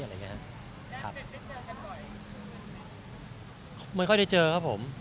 แล้วคุณจะเจอกันบ่อยอย่างนี้ไหม